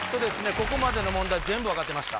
ここまでの問題全部分かってました